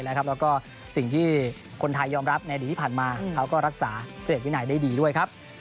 แล้วก็สิ่งที่คนไทยยอมรับในอดีตที่ผ่านมาเขาก็รักษาเกรดวินัยได้ดีด้วยครับ